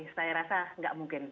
saya rasa tidak mungkin